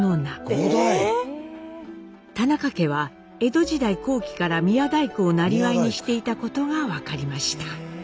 田中家は江戸時代後期から宮大工をなりわいにしていたことが分かりました。